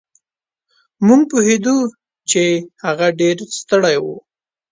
مونږ پوهېدو چې هغه ډېر ستړی و.